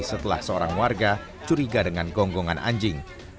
setelah seorang warga curiga dengan gonggongan anjing